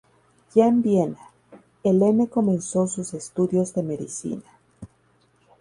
Ya en Viena, Helene comenzó sus estudios de medicina.